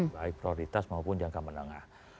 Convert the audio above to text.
baik prioritas maupun jangka menengah